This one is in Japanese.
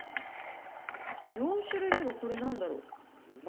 ４種類目がこれ、なんだろう。